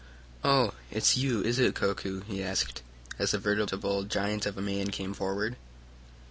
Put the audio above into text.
"Oh, it's you, is it, Koku?" he asked, as a veritable giant of a man came forward.